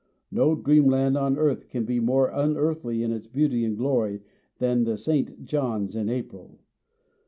No dreamland on earth can be more unearthly in its beauty and glory than the St. John's in April.